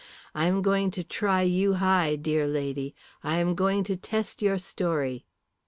I am going to try you high, dear lady. I am going to test your story."